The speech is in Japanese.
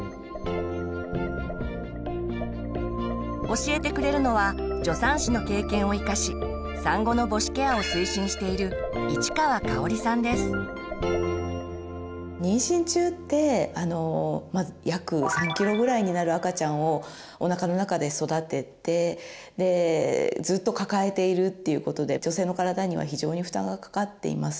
教えてくれるのは助産師の経験を生かし産後の母子ケアを推進している妊娠中ってまず約３キロぐらいになる赤ちゃんをおなかの中で育ててずっと抱えているっていうことで女性の体には非常に負担がかかっています。